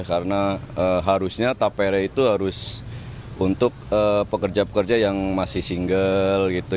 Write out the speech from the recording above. karena harusnya tapera itu harus untuk pekerja pekerja yang masih single gitu